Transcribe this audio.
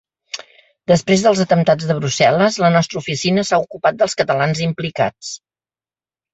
Després dels atemptats de Brussel·les, la nostra oficina s’ha ocupat dels catalans implicats.